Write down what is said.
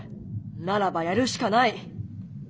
ならばやるしかない。